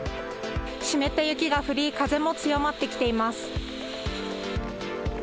湿った雪が降り、風も強まってきています。